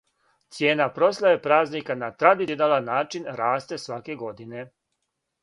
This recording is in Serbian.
Цијена прославе празника на традиционалан начин расте сваке године.